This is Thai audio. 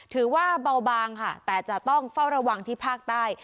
ถือว่าเบาบางค่ะแต่จะต้องเฝ้าระวังที่ภาคใต้